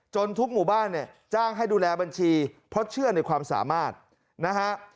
ทุกหมู่บ้านเนี่ยจ้างให้ดูแลบัญชีเพราะเชื่อในความสามารถนะฮะ